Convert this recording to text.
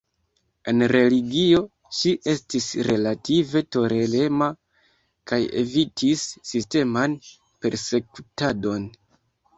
En religio, ŝi estis relative tolerema kaj evitis sisteman persekutadon.